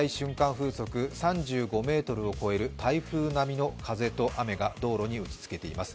風速３５メートルを超える台風並みの風と雨が道路に打ちつけています。